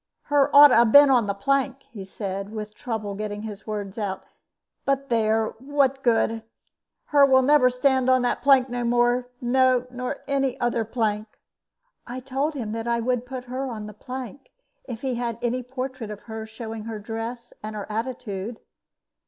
"Her ought to 'a been on the plank," he said, with trouble in getting his words out. "But there! what good? Her never will stand on that plank no more. No, nor any other plank." I told him that I would put her on the plank, if he had any portrait of her showing her dress and her attitude.